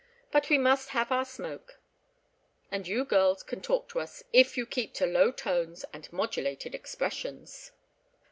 But we must have our smoke, and you girls can talk to us, if you keep to low tones and modulated expressions."